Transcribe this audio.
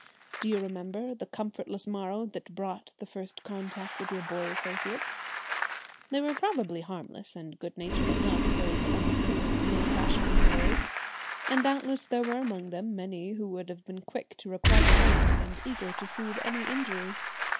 Do you remember the comfortless morrow that brought the first contact with your boy associates? They were probably harmless and good natured enough, those uncouth, ill fashioned boys, and doubtless there were among them many who would have been quick to requite a wrong and eager to soothe any injury.